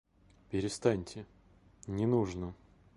Перестаньте, не нужно!